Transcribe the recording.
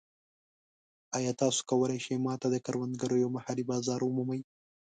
ایا تاسو کولی شئ ما ته د کروندګرو یو محلي بازار ومومئ؟